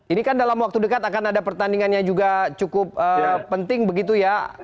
ini kan dalam waktu dekat akan ada pertandingannya juga cukup penting begitu ya